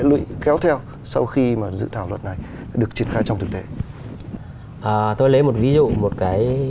lụy kéo theo sau khi mà dự thảo luật này được triển khai trong thực tế tôi lấy một ví dụ một cái